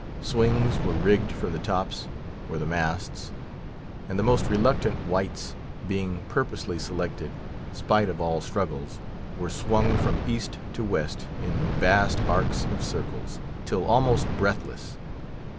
Swings were rigged from the tops, or the masts; and the most reluctant wights being purposely selected, spite of all struggles, were swung from East to West, in vast arcs of circles, till almost breathless.